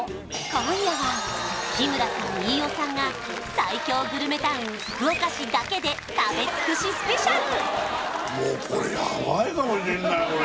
今夜は日村さん飯尾さんが最強グルメタウン福岡市だけで食べ尽くしスペシャル！